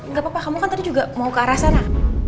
nggak apa apa kamu kan tadi juga mau ke arah sana